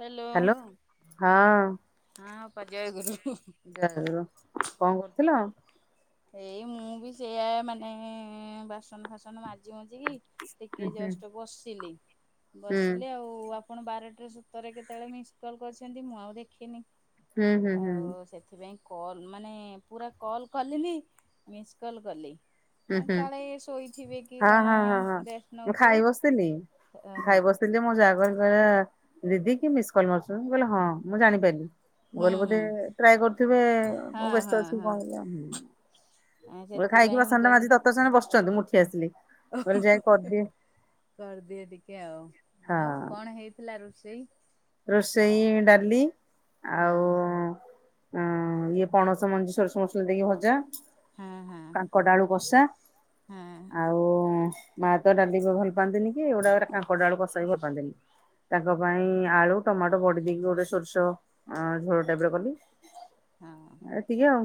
Hello ହଁ ହଁ ଅପା ଜୟ ଗୁରୁ। ଜୟଗୁରୁ। କଣ କରୁଥିଲ? ଏଇ ମୁଁ ବି ସେଇଆ ମାନେ-ଏ-ଏ-ଏ ବାସନ ଫାସନ ମାଜି ମୁଜିିକି ହୁଁ ଟିକେ ହୁଁ ଜଷ୍ଟ ବସିଲି। ବସିଲି ହୁଁ ଆଉ-ଉ-ଉ ଆପ୍ ଆପଣ ବାରଟାରୁ ସତରରେ କେତେବେଳେ ମିସ୍ କଲ୍ କରିଛନ୍ତି ମୁଁ ଆଉ ଦେଖିନି। ହୁଁ ହୁଁ ହୁଁ ଆଉ-ଉ-ଉ ସେଥିପାଇଁ କଲ ମାନେ ପୁରା କଲ କଲିନି। ମିସ୍ କଲ୍ କଲି। ହୁଁ ଆ ହୁଁ କାଳେ ଶୋଇଥିବେ କି ହଁ କଣ ହଁ ହଁ ହଁ। ରେଷ୍ଟ ମୁଁ ଖାଇ ନଉଥିବେ ବସିଥିଲି ଅହ। [unintelligible] ମୋ ଯା କହିକି ଗଲା ଦିଦି କିଏ ମିସ୍ କଲ ମାରୁଛନ୍ତି କହିଲେ ହଁ ମୁଁ ଜାଣିପାରିଲି। ମୁଁ ହୁଁ କହିଲି ବୋଧେ ହୁଁ ଟ୍ରାଏ କରୁଥିବେ ମୁଁ ହଁ ହଁ ବ୍ୟସ୍ତ ଅଛି କଣ ବୋଲି ଆ। ହଁ ମୁଁ ଏ ଖାଇକି ସେଥିପାଇଁ ବାସନ ଟା ମାଜିକି ତରତର ସେମାନେ ବସିଛନ୍ତି ମୁଁ ଉଠି ଆସିଲି। ଓ ହୋ ମୁଁ କହିଲି ଯାଏ ହୋ ହୋ ହୋ କରିଦିଏ କରିଦିଏ ଟିକେ ଆଉ ହଁ ଆଉ କଣ ହେଇଥିଲା ରୋଷେଇ। ରୋଷେଇ ଡାଲି ଆଉ। ହଁ ଅଁ ଇଏ ପଣସ ମଞ୍ଜି ସୋରିଷ ମସଲା ଦେଇକି ଭଜା କାଙ୍କଡ ଆଳୁ କଷା। ହୁଁ। ଆଉ ମାଆ ତ ଡାଲି ବି ଭଲ ପାଆନ୍ତିନି କି ଗୁଡାକରେ କାଙ୍କଡ଼ ଡାଳୁ କଷା ବି ଭଲ ପାଆନ୍ତିନି। ତାଙ୍କ ପାଇଁ ଆଳୁ ଟମାଟୋ ବଡି ଦେଇକି ଗୋଟେ ସୋରିଷ ଅଁ ଝୋଳ ଟାଇପ ର କଲି। ହଁ। ଏତିିକି ଆଉ।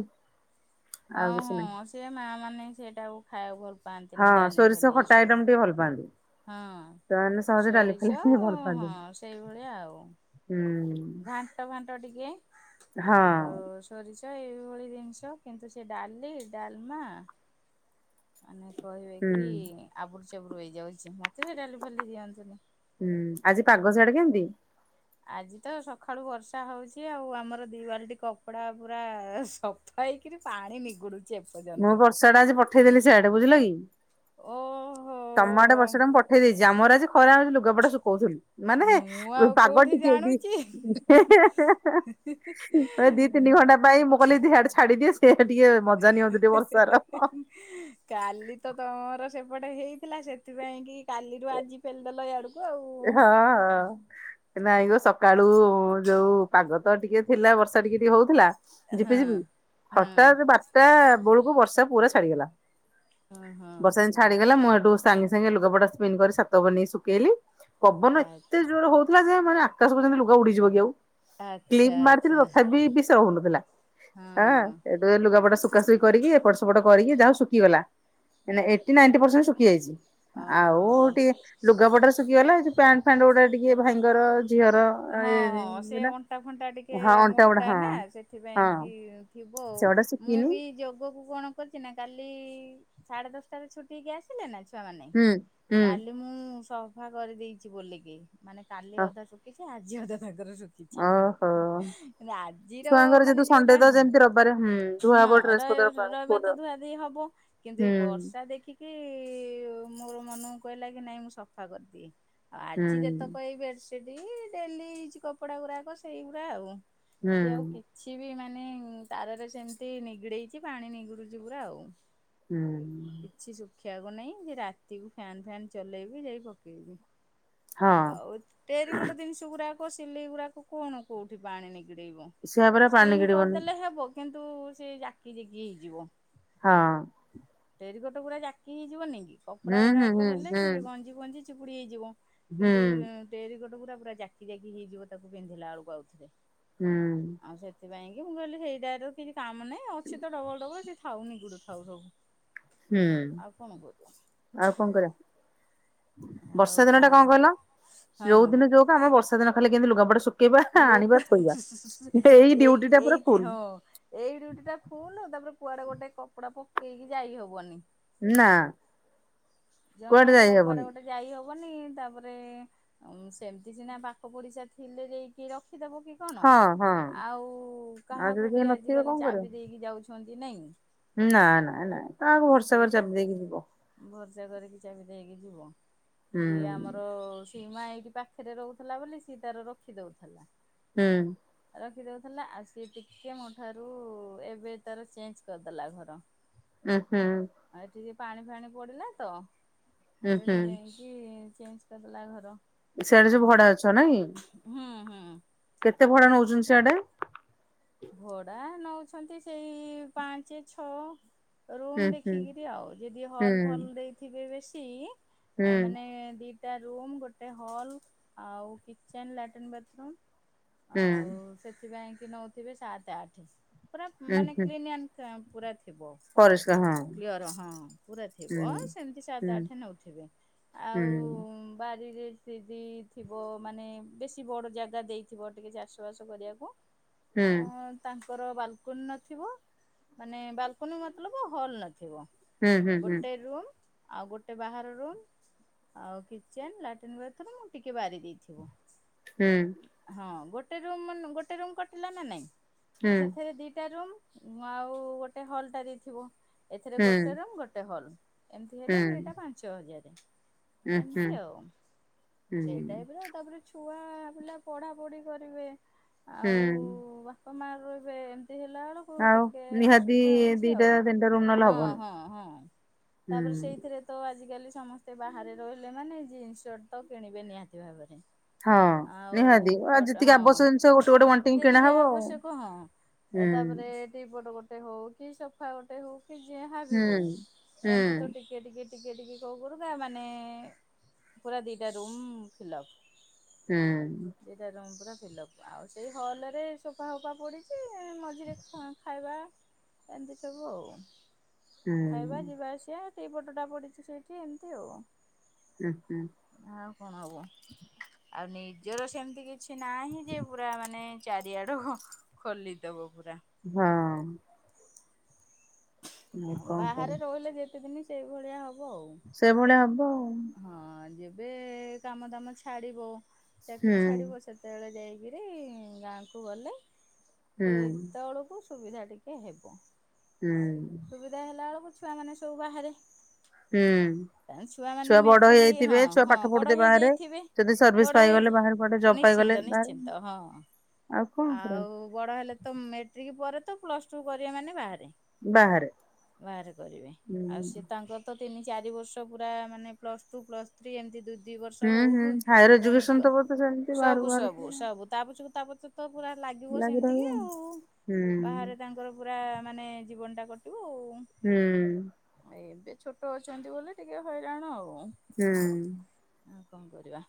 ହଁ ଆଉ କିଛି ହଁ ନାହିଁ। ସିଏ ମାଆ ମାନେ ହିଁ ସେଟାକୁୁ ଖାଇବାକୁ ଭଲ ପାଆନ୍ତିନି ହଁ ଡାଲି ସୋରିଷ ଫାଲି ଏଇ ଖଟା ସବୁ। ଆଇଟମ ଟିକେ ଭଲ ପାଆନ୍ତି। ହଁ ସେମାନେ ସହଜେ ଡାଲି ଫାଲି ସୋରିଷ ଟିକେ ଭଲ ହଁ ପାଆନ୍ତିନି। ସେଇଭଳିଆ ଆଉ। ହୁଁ। ଘାଣ୍ଟ ଫାଣ୍ଟ ଟିକେ। ହଁ। ଆଉ ସୋରିଷ ଏଇଭଳି ଜିନିଷ କିନ୍ତୁ ସେ ଡାଲି ଡାଲମା। ମାନେ କହିବେ ହୁଁ କି ଆବୁରୁ ଚାବୁରୁ ହେଇ ଯାଉଛି ମତେ ସେ ଡାଲି ଫାଲି ଦିଅନ୍ତୁନି। ହୁଁ ଆଜି ପାଗ ସିଆଡେ କେମତି। ଆଜି ତ ସକାଳୁ ବର୍ଷା ହଉଛି ଆଉ ଆମର ଦି ବାଲିଟି କପଡ଼ା ପୁରା ସ ଫା ହେଇକିରି ପାଣି ନିଗୁଡୁଛି ମୁଁ ଏପର୍ଯ୍ୟନ୍ତ। ବର୍ଷା ଟା ଆଜି ପଠେଇ ଦେଲି ସିଆଡେ ବୁଝିଲା କି। ଓହୋ। ତମ ଆଡେ ବର୍ଷା ଟା ମୁଁ ପଠେଇ ଦେଇଛି ଆମର ଆଜି ଖରା ହଉଛି ଲୁଗା ପଟା ଶୁକୋଉଥିଲୁ। ମାନେ ମୁଁ ହେଁ ଆଉ ପାଗ କୋଉଠି ଟିକେ ଦି ଜାଣୁଛି। ହେଁ ହେଁ ହେଁ ହେଁ ଏ ଦି ତିନି ଘଣ୍ଟା। ପାଇଁ ମୁଁ କହିଲି ତି ହିଆଡେ ଛାଡିଦିଏ ସେ ଟିକେ ମୋ। [unintelligible] କାଲି ତ ତମର ସେପଟେ ହେଇଥିଲା ସେଥିପାଇଁ କି କାଲିରୁୁ ଆଜି ପେଲି ଦେଲ ୟାଡକୁ। ଏ ହଁ। ନାଁଇ ଗୋ ସକାଳୁ ଯୋଉ ପାଗ ତ ଟିକେ ଥିଲା ବର୍ଷା ଟିକେ ଟିକେ ହଉଥିଲା। ଝିପି ହଁ ଝିପି ହଁ ହଠାତ୍ ବାର ଟା ବଳକୁ ବର୍ଷା ପୁରା ଛାଡିଗଲା ହଁ ହଁ ବର୍ଷା ଯେମତି। ଛାଡିଗଲା ମୁଁ ହେଠୁ ସାଙ୍ଗେ ସାଙ୍ଗେ ଲୁଗପଟା ସ୍ମିନ୍ କରି ଛାତ ଉପରେ ନେଇ ସୁଖେଇଲି ପବନ ଏତେ ଯୋ ର ହଉଥିଲା ଯେ ମାନେ ଆକାଶକୁ ଯେମିତି ଲୁଗା ଉଡିଯିବ କି ଆଉ। କ୍ଲିପ ଆଚ୍ଛା ମାରିଥିଲି ଆଚ୍ଛା ତଥାପି ବି ଷେ ହଉ ନଥିଲା ଆଁ। ହଁ ଏ ଲୁଗାପଟା ସୁଖା ସୁଖି କରିକି ଏପଟ ସେପଟ କରିକି ଯା ହଉ ଶୁଖିଗଲା। ଏଇନେ ଏଇଟି ନାଇନ୍ଟି ପରସେଣ୍ଟ ଶୁଖି ଯାଇଛି। ଆଉ ଓହୋ। ଟିକେ ଲୁଗାପଟା ରା ଶୁଖିଗଲା ଏଇ ଯୋଉ ପ୍ୟାଣ୍ଟ ଫ୍ୟାଣ୍ଟ ଗୁଡା ଟିକେ ଭାଇଙ୍କର। ଝିଅର ହଁ ହଁ ସେ ଅଣ୍ଟା ଫଣ୍ଟା ଟିକେ ହଁ ଅଣ୍ଟା ଗୁଡା ମୋଟା ହଁ ନା ସେଥିପାଇଁ ହଁ କି। ଥିବ ଆଉ ସେଗୁଡା ମୁଁ ଶୁଖିନି ବି ଯୋଗକୁ କଣ। ନା କାଲି ସାଢେ ଦଶଟା ରେ ଛୁଟି ହେଇକି ଆସିଲେ ନା ଛୁଆ ମାନେ ହୁଁ ହୁଁ କାଲି। ମୁଁ ସଫା କରିଦେଇଛି ବୋଲିକି ମାନେ କାଲି ଅଧା ଶୁଖିଛି ଆଜି ଅଧା ତାଙ୍କର ଶୁଖି। କିଚି। ଓହୋ। କିନ୍ତୁ ଆଜିର ଛୁଆଙ୍କର ମାନେ ଯେହେତୁ ସଣ୍ଡେ ଯୋଉଟା ତ ହଁ ଯେମିତି ରବିବାରେ ହୁଁ ଧୁଆ ହଁ ହବ ଡ୍ରେସ ପତ୍ର ସ୍କୁଲ ରହି ରଇବାର ତ ର ଧୁଆ ଧୁଇ ହବ କିନ୍ତୁ ହୁଁ ଏଇ ବର୍ଷା ଦେଖିକି। କି ମୋର ମନକୁ କହିଲା କି ନାଇଁ ମୁଁ ସଫା କରିଦିଏ। ଆଉ ହୁଁ ଆଜି ଯେତେକ ଏଇ ବେଡସିଟ ଡେଲି ଇଜ କପଡା ଗୁରାକ ସେଇଗୁଡା ଆଉ। ହୁଁ ସେ ଆଉ କି କିଛି ବି ମାନେ ତାରରେ ସେମିତି ନିଗିଡେଇଚି ପାଣି ନିଗୁଡୁଚି ପୁରା ଆଉ। ହୁଁ। କିଛି ଶୁଖିଆକୁ ନାହିଁ ଯେ ରାତିକୁ ଫ୍ୟାନ ଫାନ ଚଲେଇବି ଯାଇ ପକେଇବି। ହଁ ଆଉ ଟେରିକଟ ଜିନିଷ ଗୁରାକ ସିଲେଇ ଗୁରାକ କଣ କୋଉଠି ପାଣି ନିଗିଡେଇବ। ଛୁଆ ପରା ପାଣି ସ୍ପିନ ଗିଳିବନି କରିଦେଲେ ହେବ କିନ୍ତୁ ସେ ଜାକି ଜିକି ହେଇଯିବ। ହଁ। ଟେରିକଟ ଗୁରା ଜାକି ହେଇଯିବ ନି କି କପଡା ହୁଁ ହୁଁ ଗୁରାକ ହେଲେ ହୁଁ ସିଏ ଗଞ୍ଜିବ ଗଞ୍ଜି ଚିପୁଡି ହେଇଯିବ ହୁଁ କିନ୍ତୁ ଟେରିକଟ ଗୁରା ପୁରା ଜାକି ଜାକି ହେଇଯିବ ତାକୁ ପିନ୍ଧିଲା ବେଳକୁ ଆଉ। ହୁଁ। ଆଉ ସେଥିପାଇଁ କି ମୁଁ କହିଲି ସେଇ ଟାର କିଛି କାମ ନାହିଁ ଅଛି ତ ଡବଲ ଡବଲ ସେ ଥାଉ ନିଗୋଡ ଥାଉ ସବୁ। ହୁଁ। ଆଉ କଣ କୋହୁଚ। ଆଉ କଂ କରିବା ଆଉ ବର୍ଷା ଦିନ କା ଟା କଂ କହିଲ ହଁ ଯୋଉଦିନ ଯୋଉ ଆମେ ବର୍ଷା ଦିନ ଖାଲି କେମିତି ଲୁଗାପଟା ଶୁକେଇବା ଲୁଗା ଆଣିବା ଥୋଇବା କିନ୍ତୁ ଏଇ ଡ଼ିଉଟି ଟା ପୁରା ଏଇଥି ଫୁଲ୍। ହଁ ଏଇ ଡ୍ୟୁଟି ଟା ଫୁଲୁ ତାପରେ କୁଆଡେ ଗୋଟେ କପଡା ପକେଇକି ଯାଇ ହବନି। ନା। ଜମା ତ ଆଉ କୁଆଡେ ଗୋଟେ ଯାଇ ହବନି ତାପରେ ଅମ୍ ସେମିତି ସିନା ପାଖ ପଡିଶା ଥିଲେ ଜେଇକି ରଖିଦବ କି କଣ ହଁ ହଁ। ଆଉ ଆଉ ଯଦି କାହାକୁ କେହି ବି ନଥିବେ କଣ ଆଜିକାଲି କରିବ? ଚାବି ଦେଇକି ଯାଉଛନ୍ତି ନାଇଁ। ନା ନା ନା କାହାକୁ ଭରଷା କରିକି ସେଇଟା ଚାବି ଦେଇକି ଯିବ। ଭରସା କରିକି ଚାାବି ଦେଇକି ଯିବ ହୁଁ କିଏ ଆମର ସୂ ଟିମା ଏଇଠି ପାଖରେ ରହୁଥିଲା ବୋଲି ସିଏ ତାର ରଖି ଦଉଥିଲା। ହୁଁ। ରଖିଦଉଥିଲା ଆଉ ସିଏ ଟିକେ ମୋ ଠାରୁ ଏବେ ତାର ଚେଞ୍ଜ କରିଦେଲା ଘର। ଉଁ ହୁଁ। ଆ ଏଠିି ଟି ପାଣି ଫାଣି ପଡିଲା ତ ଉଁ ହୁଁ ସେଥିପାଇ କି ଚେଞ୍ଜ କରିଦେଲା ଘର। ସେଆଡେ ଆଉ ସବୁ ମ ଭଡା ଅଛ ନାଇଁ। ହୁଁ ହୁଁ। କେତେ ଭଡା ନୋଉଚନ୍ତି ଶ୍ୟାଡେ। ଭଡା ନଉଛନ୍ତି ସେଇ ପାଞ୍ଚ ଛଅ ହୁଁ ରୁମ ହୁଁ ଦେଖିକିରି ଆଉ ଯଦି ହୁଁ ହଲ୍ ଫଲ ଦେଇଥିବେ ବେଶୀ ହୁଁ ଆ ମାନେ ଦିଟା ରୁମ ଗୋଟେ ହଲ୍ ଆଉ କିଚେନ ଲାଟ୍ରିନ ବାଥ୍ ରୁମ୍ ହୁଁ। ସେଥିପାଇଁ କି ନଉଥିବେ ସାତ ଆଠ ପୁରା ଉଁ ମାନେ ହୁଁ କ୍ଲିନ ଆନ୍ ସାମ ପୁରା ଥିବ। ପରିଷ୍କାର କ୍ଲିଅର ହଁ ପୁରା ହଁ ଥିବ ସେମିତି ହୁଁ। ସାତ ଆଠ ନଉଥିବେ। ହୁଁ ଆଉ ବାରିରେ ଯେଦି ଥିବ ମାନେ ବେଶୀ ବଡ଼ ଜାଗା ଦେଇଥିବ ଟିକେ ଚାଷବାସ କରିବାକୁ ହୁଁ। ହଁ ତାଙ୍କର ବାଲକୋନି ନଥିବ ମାନେ ବାଲକୋନି ମତଲବ ହଲ୍ ନଥିବ। ହୁଁ ହୁଁ ହୁଁ ଗୋଟେ ରୁମ୍ ଆଉ ଗୋଟେ ବାହାର ରୁମ୍ ଆଉ କିଚେନ ଲାଟ୍ରିନ୍ ବାଥରୁମ୍ ଟିକେ ବାରି ଦେଇଥିବୁ। ହୁଁ। ହଁ ଗୋଟେ ରୁମ୍ ମାନେ ଗୋଟେ ରୁମ୍ କରିଥିଲାନା ନାଇଁ ହୁଁ ସେଥିରେ ଦିଟା ରୁମ୍ ମୁଁ ଆଉ ଗୋଟେ ହଲ୍ଟା ଦେଇଥିବ ଏଥିରେ ହୁଁ ହୁଁ ଗୋଟେ ରୁମ୍ ଗୋଟେ ହଲ୍। ଏମିତି ହେଲେ ହୁଁ। ସେଇଟା ପାଞ୍ଚ ହଜାରେ। ଉଁ ହୁଁ ଏମତି ଆଉ ହୁଁ ସେଇ ଟାଇପ୍ ତାପରେ ଛୁଆ ପିଲା ପଢାପଢି କରିବେ ଆଉ ହୁଁ ବାପା ମା ରହିବେ ଏମିତି ହେଲା ବେଳକୁ ଆ ଆଉ ଟିକେ ନିହାତି ଅସୁବିଧା ହଉଚି ଦିଟା ଆଉ ତିନିଟା ରୁମ୍ ନହେଲେ ହଁ ହବନି। ହଁ ହଁ। ହୁଁ ତାପରେ ସେଇଥିରେ ତ ଆଜିକାଲି ସମସ୍ତେ ବାହାରେ ରହିଲେ ମାନେ ଜିନ୍ସ ସର୍ଟ ତ କିଣିବେ ନିହାତି ଭାବରେ ହଁ ଆଉ ନିହାତି ଆଉ ଖଟ ଯେତିକି ଆବଶ୍ୟ ଜିନିଷ ହଁ ଗୋଟେ ଗୋଟେଣ୍ ଯେତିକି ଆବଶ୍ୟକ ହଁ ତାପରେ ଟିପଟ ଗୋଟେ ହଉକି ସୋଫା ଗୋଟେ ହଉକି ଯାହାବ ହୁଁ ହଉ ହୁଁ ଏମିତିତ ଟିକେ ଟିକେ ଟିକେ ଟିକେ ଟିକେ କରୁ କରୁକା ମାନେ ପୁରା ଦିଇଟା ରୁମ୍ ଫିଲ୍ଅପ୍। ହୁଁ। ଦିଇଟା ରୁମ୍ ପୁରା ଫିଲ୍ଅପ୍ ଆଉ ସେଇ ହଲରେ ସୋଫା ଫୋଫା ପଡ଼ିଚି ମଝିରେ ଖାଇବା ଏମିତି ସବୁ ଆଉ। ହୁଁ। ଖାଇବା ଯିବା ଆସିବା ଟିପଟଟା ପଡ଼ିଚି ସେଇଠି ଏମତି ଆଉ। ହୁଁ ହୁଁ। ଆଉ କଣ ହବ ଆଉ ନିଜର ସେମିତି କିଛି ନାହିଁଯେ ପୁରା ମା ମାନେ ଚାରିଆଡ଼ୁ ହଁ ଖୋଲିଦବ ପୁରା। ହଁ। କଣ ବାହାରେ କରିବା ରହିଲେ ଯେତେ ଦିନ ସେଇ ଭଳିଆ ହବ ଆଉ। ସେଭଳିଆ ହବ ଆଉ। ହଁ ଯେବେ କାମ ଦାମ ଛାଡ଼ିବ ଚାକିରୀ ହୁଁ ଛାଡ଼ିବ ସେତେବେଳେ ଯାଇକିରି ଗାଁକୁ ଗଲେ ହୁଁ ସେତେବେଳକୁ କୁ ସୁବିଧା ଟିକେ ହେବ। ହୁଁ। ସୁବିଧା ହେଲା ବେଳକୁ ଛୁଆମାନେ ସବୁ ବାହାରେ। ହୁଁ। କାରଣ ଛୁଆମାନେ ଛୁଆ ବଡ଼ ମେଟ୍ରିକ ହଁ ହେଇଯାଇଥିବେ ଛୁଆ ହଁ ପାଠ ବଡ଼ ପଢୁଥିବେ ବାହାରେ ହେଇଯାଇଥିବେ। ଯଦି ସର୍ଭିସ ପାଇଗଲେ ବାହାରେ ଜବ୍ ପାଇଗଲେ ବାହାରେ କିନ୍ତୁ ହଁ। ଆଉ କଣ? କରିବା ଆଉ ବଡ଼ ହେଲେତ ମେଟ୍ରିକ୍ ପରେତ ପ୍ଲସ୍ ଟୁ କରିବେ ମାନେ ବାହାରେ ବାହାରେ। ବାହାରେ କରିବେ ଆଉ ହୁଁ ସେତାଙ୍କରତ ତିନି ଚାରି ବର୍ଷ ପୁରା ମାନେ ପ୍ଲସ୍ ଟୁ ପ୍ଲସ୍ ୍ରୀ ଏମତି ଦି ଦି ବର୍ଷ ହୁଁ ହୁଁ ହଉକି ହାୟର ପୁଣି ଏଜୁକେସନ କ ତ ବୋଧେ ସେମିତି ବାହାରକୁ ସବୁ ବାହାରୁଥିବ ସବୁ ସବୁ। ତା ପଛକୁ ତାପଛ ତପୁରା ଲାଗିବ ଲାଗି ସେମିତିକି ରହିବ ଆଉ ହୁଁ ବାହାରେ ତାଙ୍କର ପୁରା ମାନେ ଜୀବନଟା କଟିବ ଆଉ। ହୁଁ। ଏବେ ଛୋଟ ଅଛନ୍ତି ବୋଲି ଟିକେ ହଇରାଣ ଆଉ। ହୁଁ। ଆଉ କଣ କରିବା।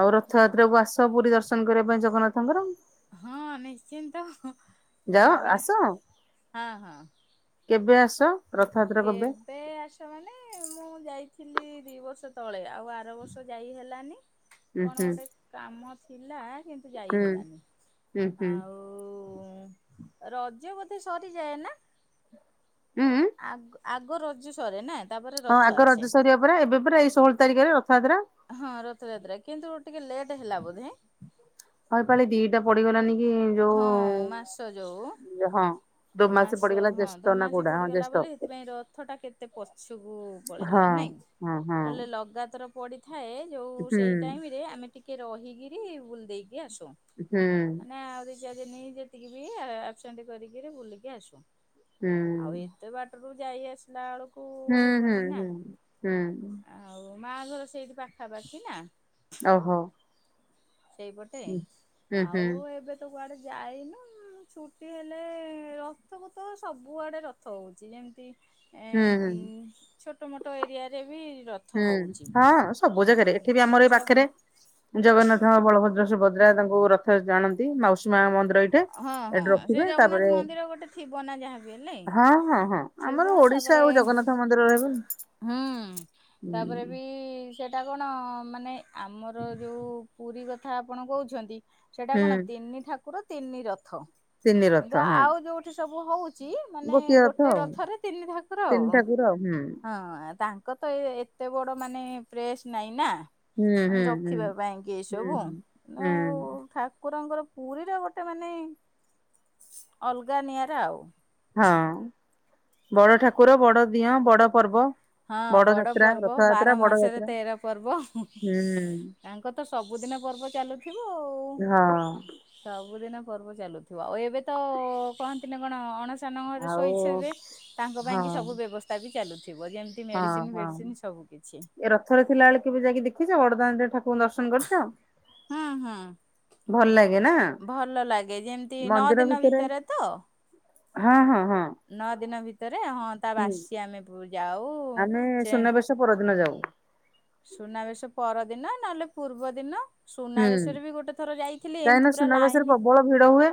ଆଉ ରଥଯାତ୍ରାକୁ ଆସ ପୁରୀ ଦର୍ଶନ କରିବା ପାଇଁ ଜଗନ୍ନାଥଙ୍କର? ହଁ ନିଶ୍ଚିନ୍ତ, ଯାଅ ଯିବା ଆସ। ହଁ-ହଁ। କେବେ ଆସ ରଥଯାତ୍ରା କେବେ? କେବେ ଆସ ମାନେ ମୁଁ ଯାଇଥିଲି ଦି ବର୍ଷ ତଳେ ଆଉ ଆର ବର୍ଷ ଯାଇ ହେଲାନି। ଉଁ କଣ ହୁଁ ଗୋଟେ କାମ ଥିଲା କିନ୍ତୁ ଯାଇ ହୁଁ। ହେଲାନି, ଉଁ ହୁଁ ଆଉ ଉ-ଉ-ଉ ରଜ ବୋଧେ ସରିଯାଏ ନା? ଉଁ ଉଁ? ଆଗ୍ ଆଗ ରଜ ସରେ ନା? ତାପରେ ହଁ ରଥ ଆଗ ଆସେ ରଜ ସରିବ ପରା ଏବେ ପରା ଏଇ ଷୋହଳ ତାରିଖରେ ରଥଯାତ୍ରା। ହଁ ରଥଯାତ୍ରା କିନ୍ତୁ ଟିକେ ଲେଟ୍ ହେଲା ବୋଧେ? ହଁ ଏ ପାଳି ଦିଟା ପଡିଗଲାନି କି ହଁ ମାସ ଯୋଉ ଯୋଉ-ଉ-ଉ ହଁ। ଦୋମାସେ ମାସ ପଡିଗଲା ହଁ ଜ୍ୟେଷ୍ଠ ନା ଦୋମାସୀ କୋଉଟା ହଁ ପଡିଗଲା ଜ୍ୟେଷ୍ଠ ବୋଲି ସେଥିପାଇଁ ରଥଟା କେତେ ପଛକୁ ହଁ ପଳେଇଲା ନାଇଁ? ହଁ ହଁ। ନହଲେ ଲଗାତର ପଡିଥାଏ ଯୋଉ ହୁଁ ସେଇ ଟାଇମରେ ଆମେ ଟିକେ ରହିକିରି ବୁଲି ଦେଇକି ଆସୁ। ହୁଁ। ଯା ଯେନି ଯେତିକି ବି ଆବସେଣ୍ଟ୍ କରିକିରି ବୁଲିକି ଆସୁ ଆଉ ହୁଁ। ଏ ଏତେ ବାଟରୁ ଯାଇ ଆସିଲା ବେଳକୁ ହୁଁ ହୁଁ ହେବନି ନା ହୁଁ ହୁଁ ଆ ଆଉ ମାଆ ଘର ସେଇଠି ପାଖାପାଖି ନା। ଓହୋଃ। ସେଇପଟେ? ହୁଁ ଆଉ ଏବେ ତ କୁଆଡେ ଯାଇନୁ। ଛୁଟି ହେଲେ-ଏ-ଏ-ଏ ରଥକୁ ତ ସବୁଆଡ଼େ ରଥ ହଉଛି ଯେମିତି ଏ ହୁଁ ହୁଁ ଛୋଟ ମୋଟ ଏରିଆରେ ବି ରଥ୍। ହୁଁ, ହଁ ସବୁ ଜାଗାରେ ଏଠି ବି ଆମର ଏଇ ସବୁ ପାଖରେ। ଜଗନ୍ନାଥ, ବଳଭଦ୍ର, ସୁଭଦ୍ରା ତାଙ୍କୁ ରଥରେ ଟାଣନ୍ତି ମାଉସୀ ମାଆ ମନ୍ଦିର ଏଇ ଠି, ହଁ ହଁ ଏଠି ସେ ରଖିବେ ଜଗନ୍ନାଥ ତାପରେ ମନ୍ଦିର ଗୋଟେ ଥିବ ନା ଯାହାବି ହେଲେ ହଁ-ହଁ-ହଁ। ଆମର ଥିବ ଓଡିଶା ତାପରେ ଆଉ ଜଗନ୍ନାଥ ମନ୍ଦିର ରହିବନି। ହୁଁ ତାପରେ ବି ସେଇଟା କଣ ମାନେ ଆମର ଯୋଉ। ପୁରୀ କଥା ଆପଣ କହୁଛନ୍ତି ସେଟା କଣ ତିନି ଠାକୁର ତିନି ରଥ। ତିନି ରଥ କିନ୍ତୁ ହଁ ଆଉ ଯୋଉଠି ସବୁ ହଉ ଚି ମାନେ ଗୋଟିଏ ରଥ ଗୋଟେ ଆଉ ରଥରେ ତିନି ଠାକୁର ତିନି ଆଉ, ଠାକୁର ଆଉ ହୁଁ ହଁ ତାଙ୍କ୍ କତ ଏ ଏତେ ବଡ ମାନେ ପ୍ରେସ୍ ନାଇଁ ନା। ହୁଁ ହୁଁ ମାନେ ହୁଁ ରଖିବା ପାଇଁକି ଏଇ ହୁଁ ସବୁ ମୁଁ ହୁଁ ହୁଁ। ଆଉ ଠାକୁରଙ୍କର। ପୁରୀର ଗୋଟେ ମାନେ ଅଲଗା ନିଆରା ଆଉ। ହଁ ବଡ ଠାକୁର ବଡ ଦିଅଁ ବଡ ପର୍ବ। ହଁ ବଡ ଯାତ୍ରା ପର୍ବ, ରଥଯାତ୍ରା ବାର ବଡ ମାସରେ ଯାତ୍ରା ତେର ପର୍ବ। ହୁଁ ତାଙ୍କର ତ ସବୁଦିନ ପର୍ବ ଚାଲୁଥିବ ଆଉ। ହଁ ସବୁଦିନେ ପର୍ବ ଚାଲୁଥିବ ଆଉ ଏବେ ତ-ଅ-ଅ-ଅ କହନ୍ତିନି କଣ ଅଣସ୍ ସନ ଘରେ ଆଉ ଶୋଇଥେବେ ତାଙ୍କ ହଁ ପାଇଁକି ସବୁ ବ୍ୟବସ୍ତା ବି ଚାଲୁଥିବ ଯେମ୍ ହଁ ମେଡିସିନ ହଁ ଫେଡିସିନ ସବୁ କିଛି। ଏ ରଥରେ ଥିଲା ବେଳେ କେବେ ଯାଇକି ଦେଖିଛ ବଡଦାଣ୍ଡରେ ଠାକୁରଙ୍କୁ ଦର୍ଶନ କରିଛ? ହୁଁ ହୁଁ ଭଲ ଲାଗେ। ନା ଭଲ ଲାଗେ ଯେମିତି ନଅ ଦିନ ଭିତରେ ତ? ହଁ-ହଁ-ହଁ। ନଅ ଦିନ ଭିତରେ ହଁ ତା ବାସି ଆମେ ପୁ ଯାଉ ସେ ତା ପରଦିନ ଯାଉ। ସୁନାବେଶ ପରଦିନ ନହେଲେ ପୂର୍ବ ଦିନ। ହୁଁ ସୁନାବେଶରେ ବି ଗୋଟେ ଥର ଯାଇଥିଲି କାହିଁକିନା ଏମିତି ପୁରା ସୁନାବେଶରେ ଲାଇନ ପ୍ରବଳ ଭିଡ ହୁଏ।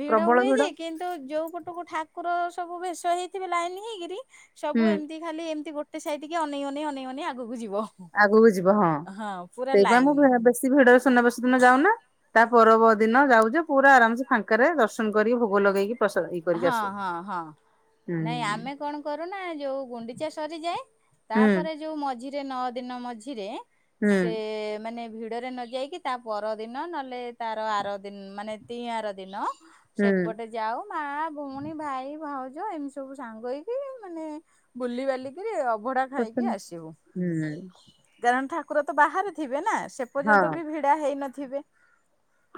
ଭିଡ ହୁଏ ଯେ କିନ୍ତୁ ତ ଯୋଉ ପଟକୁ ଠାକୁର ସବୁ ଭେଷ ହେଇଥିବେ ଲାଇନ ହେଇକିରି ସବୁ ହୁଁ ଏମିତି ଖାଲି ଏମିତି ଗୋଟେ ସାଇଡକି ଅନେଇ ଅନେଇ ଅନେଇ ଅନେଇ ଆଗକୁ ଯିବ। ଆଗକୁ ଯିବ ହଁ ପୁରା ସେଇଥିପାଇଁ ମୁଁ ଲାଇନ ବେ ବେଶୀ ଭିଡ଼ରେ ସୁନାବେଶରେ ଦିନ ଯାଉନା ତା ପରବ ଦିନ ଯାଉଯେ ପୁରା ଆରାମ୍ ସେ ଫାଙ୍କାରେ ଦର୍ଶନ କରିକି ଭୋଗ ଲଗେଇକି ପ୍ରସାଦ ଖାଇକି ହଁ ହଁ ହଁ। ନାଇଁ ଆମେ କଣ କରୁନା ଯୋଉ ଗୁଣ୍ଡିଚା ସରିଯାଏ ହୁଁ ତାପରେ ଯୋଉ ମଝିରେ ନଅ ଦିନ ମଝିରେ ହୁଁ ସେ ମାନେ ଭିଡ଼ରେ ନ ଯା ଯାଇକି ତା ପରଦିନ ନହେଲେ ତାର ଆର ଦିନ ମାନେ ତି ଆର ଦିନ ହୁଁ ସେପଟେ ଯାଉ ମା ଭଉଣୀ ଭାଇ ଭାଉଜ ଏମିତି ସବୁ ସାଙ୍ଗ ହେଇକି ମାନେ ବୁଲିିବାଲି କିରି ଅଭଡ଼ା ଖାଇକି ଦର୍ଶନ ଆସିବୁ। ହୁଁ କାରଣ ଠାକୁର ତ ବାହାରେ ଥିବେ ନା ସେ ପର୍ଯ୍ୟନ୍ତ ବି ହଁ ଭିଡା ହେଇନଥିବେ।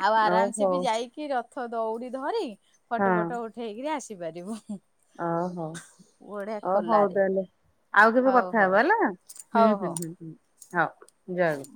ଆଉ ଆରାମ୍ ସେ ହଉ ବି ଯାଇକି ରଥ ଦଉଡ଼ି ଧରି ହଉ ଫଟୋ ବଟୋ ଉଠେଇ ହେଇକିରି ଆସିପାରିବୁ। ଓହୋ। ବଢିଆ ଓ ହଉ ଖୋଲାରେ ତାହଲେ ଆଉ କେବେ ହଉ କଥା ହଉ ହବ ହେଲା ହୁଁ ହଉ ହଉ। ହୁଁ ହୁଁ ହୁଁ। ହୋଉ ଯାଅ।